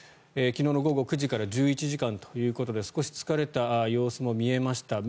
昨日の午後９時から１１時間ということで少し疲れた様子も見えました。